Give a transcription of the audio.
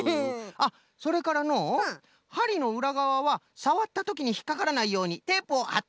あっそれからのうはりのうらがわはさわったときにひっかからないようにテープをはっておくとよいぞ。